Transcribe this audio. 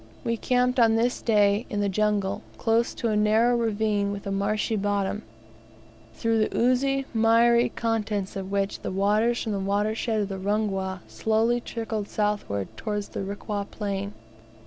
We camped on this day in the jungle, close to a narrow ravine with a marshy bottom, through the oozy, miry contents of which the waters from the watershed of the Rungwa slowly trickled southward towards the Rikwa Plain.